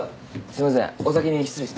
お先に失礼します。